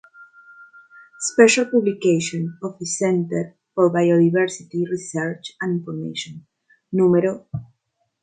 Special Publication of the Center for Biodiversity Research and Information, núm.